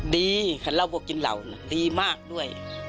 ดีขนเลาะโบกกินเหล่าดีมากด้วย